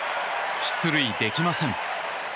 出塁できません。